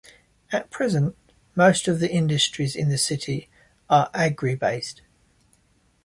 At present, most of the industries in the city are agri-based.